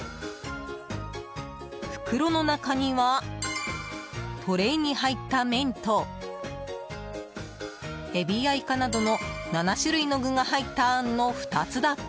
袋の中には、トレイに入った麺とエビやイカなどの７種類の具が入ったあんの２つだけ。